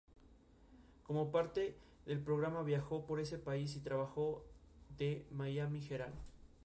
Numerosas romerías de los pueblos vecinos comenzaron a frecuentar este sitio, antes desconocido.